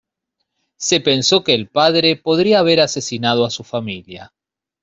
Se pensó que el padre podría haber asesinado a su familia.